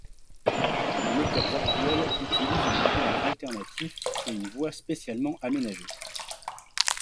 Les moteurs actuels utilisent le courant alternatif, et une voie spécialement aménagée.